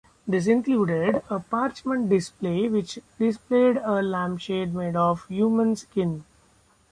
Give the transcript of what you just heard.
This included a "parchment display" which displayed a "lampshade made of human skin.